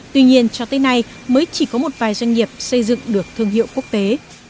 tuy nhiên cho tới nay mới chỉ có một vài doanh nghiệp xây dựng được thương hiệu quốc tế